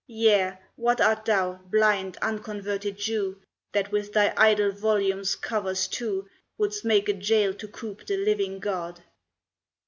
Yea, what art thou, blind, unconverted Jew, That with thy idol volume's covers two Wouldst make a jail to coop the living God?